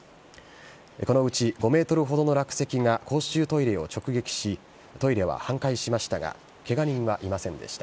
このうち５メートルほどの落石が公衆トイレを直撃し、トイレは半壊しましたが、けが人はいませんでした。